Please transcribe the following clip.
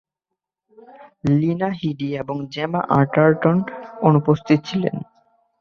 Lina Headey এবং Gemma Arterton অনুপস্থিত ছিলেন।